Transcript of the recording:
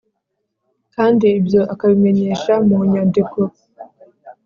Kandi Ibyo Akabimenyesha Mu Nyandiko